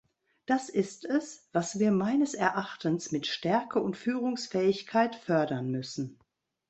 Das ist es, was wir meines Erachtens mit Stärke und Führungsfähigkeit fördern müssen.